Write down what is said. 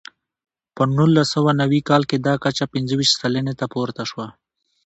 په نولس سوه نوي کال کې دا کچه پنځه ویشت سلنې ته پورته شوه.